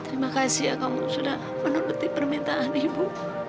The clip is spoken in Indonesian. terima kasih ya kamu sudah menuruti permintaan ibu